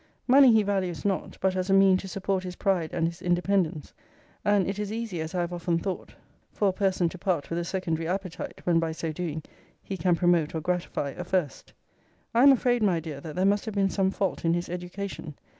Money he values not, but as a mean to support his pride and his independence. And it is easy, as I have often thought, for a person to part with a secondary appetite, when, by so doing, he can promote or gratify a first. I am afraid, my dear, that there must have been some fault in his education.